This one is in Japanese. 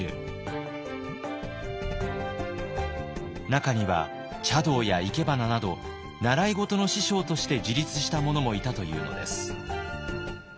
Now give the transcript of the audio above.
中には茶道や生け花など習い事の師匠として自立した者もいたというのです。